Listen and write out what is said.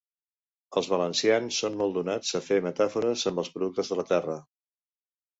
Els valencians som molt donats a fer metàfores amb els productes de la terra.